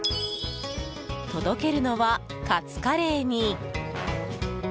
届けるのは、カツカレーに。